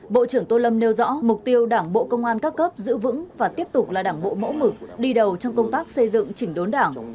bộ trưởng tô lâm nêu rõ mục tiêu đảng bộ công an các cấp giữ vững và tiếp tục là đảng bộ mẫu mực đi đầu trong công tác xây dựng chỉnh đốn đảng